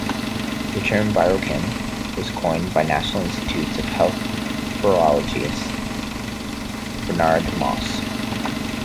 The term "virokine" was coined by National Institutes of Health virologist Bernard Moss.